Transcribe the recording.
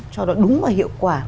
cho nó đúng và hiệu quả